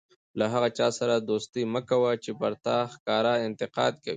له هغه چا سره دوستي مه کوئ! چي پر تا ښکاره انتقاد کوي.